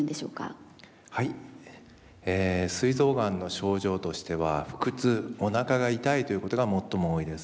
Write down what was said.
はいすい臓がんの症状としては腹痛おなかが痛いということが最も多いです。